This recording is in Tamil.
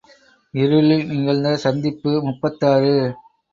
இருளில் நிகழ்ந்த சந்திப்பு முப்பத்தாறு.